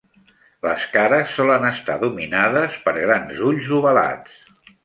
Les cares solen estar dominades per grans ulls ovalats.